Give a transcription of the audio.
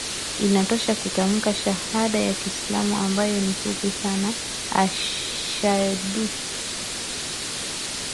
inatosha kutamka shahada ya Kiislamu ambayo ni fupi sana Ashaddu